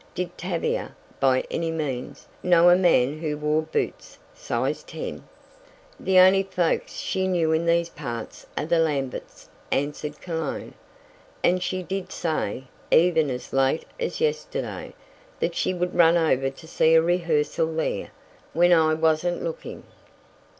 "Did Tavia, by any means, know a man who wore boots size ten?" "The only folks she knew in these parts are the Lamberts," answered Cologne. "And she did say, even as late as yesterday, that she would run over to see a rehearsal there when I wasn't looking."